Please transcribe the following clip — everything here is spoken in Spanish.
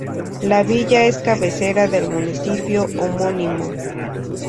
La Villa es cabecera del municipio homónimo.